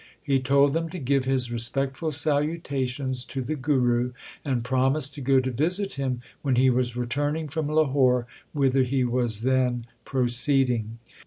He told them to give his respectful salutations to the Guru, and promised to go to visit him when he was returning from Lahore whither he was then proceeding.